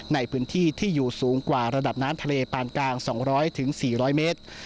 ในพื้นที่ที่อยู่สูงกว่าระดับน้ำทะเลปานกลาง๒๐๐๔๐๐เมตร